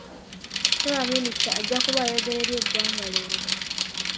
Ssaabaminisita ajja kuba ayogerako eri eggwanga leero.